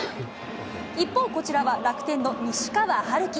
一方、こちらは楽天の西川遥輝。